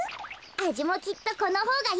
あじもきっとこのほうがいいはず。